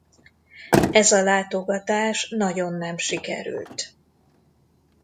Ez a látogatás nagyon nem sikerült.